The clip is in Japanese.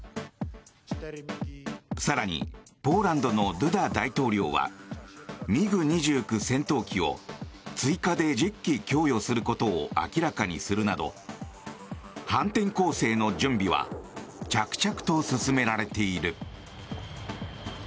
更にポーランドのドゥダ大統領はＭｉＧ２９戦闘機を追加で１０機供与することを明らかにするなど反転攻勢の準備は着々と進められている。